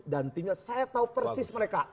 dan timnya saya tahu persis mereka